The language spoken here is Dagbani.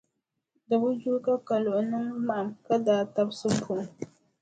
Di bi yuui ka Kaluɣi niŋ maɣim ka daa tabisi buɣum.